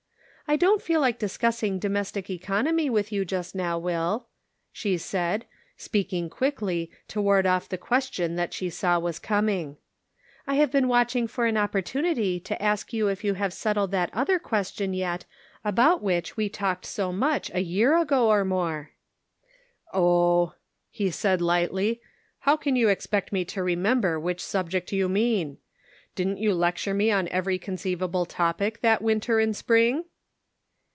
" I don't feel like discussing domestic economy with you just now, Will," she said, speaking quickly, to ward off the question that she saw was coming. " I have been watching for an opportunity to ask you if you have settled that other question yet about which we talked so much a year ago or more." " Oh !" he said lightly. " How can you ex pect me to remember which subject you mean ? Didn't you lecture me on every conceivable topic that winter and spring?"